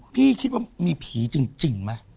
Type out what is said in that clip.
พี่พี่คิดว่ามีผีจริงมั้ย